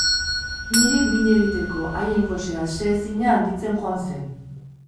Niri min egiteko haien gose aseezina handitzen joan zen.